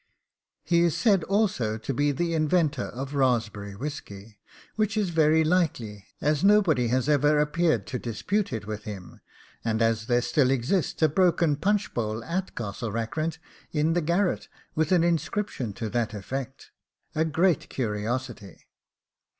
He is said also to be the inventor of raspberry whisky, which is very likely, as nobody has ever appeared to dispute it with him, and as there still exists a broken punch bowl at Castle Rackrent, in the garret, with an inscription to that effect a great curiosity.